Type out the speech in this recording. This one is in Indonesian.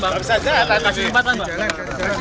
pak kasih jalan pak